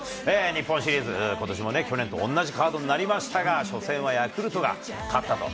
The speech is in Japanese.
日本シリーズ、ことしも去年と同じカードになりましたが、初戦はヤクルトが勝ったと。